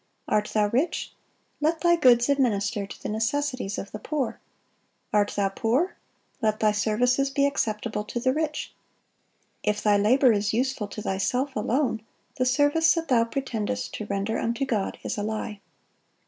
Art thou rich? let thy goods administer to the necessities of the poor. Art thou poor? let thy services be acceptable to the rich. If thy labor is useful to thyself alone, the service that thou pretendest to render unto God is a lie."